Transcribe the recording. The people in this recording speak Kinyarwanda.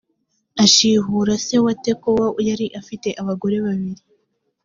ashihuri se wa tekowa yari afite abagore babiri.